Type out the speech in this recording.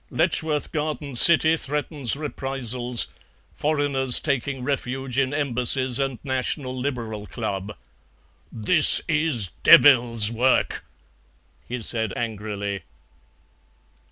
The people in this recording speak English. Letchworth Garden City threatens reprisals. Foreigners taking refuge in Embassies and National Liberal Club." "This is devils' work!" he said angrily.